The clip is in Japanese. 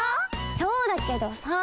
そうだけどさあ。